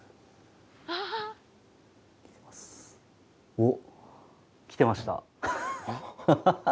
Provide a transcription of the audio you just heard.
おっ来てました。